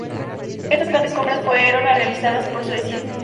Estas grandes compras fueron realizadas por Suecia.